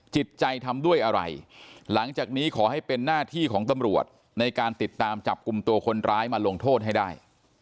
จิตใจทำด้วยอะไรหลังจากนี้ขอให้เป็นหน้าที่ของตำรวจในการติดตามจับกลุ่มตัวคนร้ายมาลงโทษให้ได้